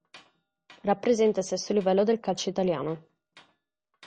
Rappresenta il sesto livello del calcio italiano.